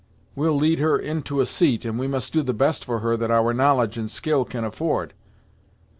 We'll lead her in to a seat, and we must do the best for her that our knowledge and skill can afford."